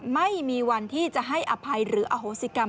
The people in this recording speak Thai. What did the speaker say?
ไม่มีวันที่จะให้อภัยหรืออโหสิกรรม